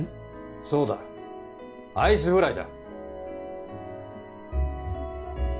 そうだアイスフライだ！